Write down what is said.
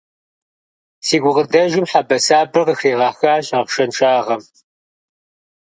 Си гукъыдэжым хьэбэсабэр къыхригъэхащ ахъшэншагъэм.